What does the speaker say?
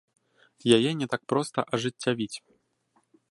Яе не так проста ажыццявіць.